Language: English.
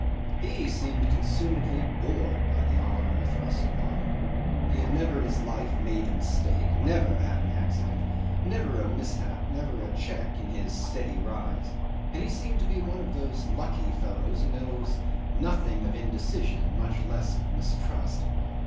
'He seemed consumedly bored by the honour thrust upon him. He had never in his life made a mistake, never had an accident, never a mishap, never a check in his steady rise, and he seemed to be one of those lucky fellows who know nothing of indecision, much less of self mistrust.